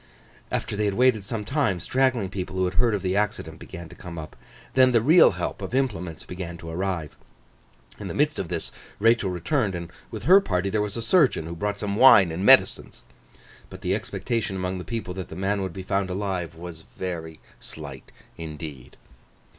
After they had waited some time, straggling people who had heard of the accident began to come up; then the real help of implements began to arrive. In the midst of this, Rachael returned; and with her party there was a surgeon, who brought some wine and medicines. But, the expectation among the people that the man would be found alive was very slight indeed.